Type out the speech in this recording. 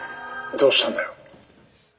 「どうしたんだよ」。